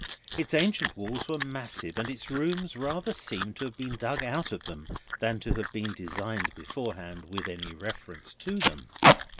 Its ancient walls were massive, and its rooms rather seemed to have been dug out of them, than to have been designed beforehand with any reference to them.